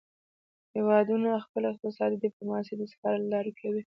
هیوادونه خپله اقتصادي ډیپلوماسي د سفارت له لارې کوي